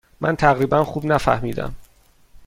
من تقریبا خوب نفهمیدم.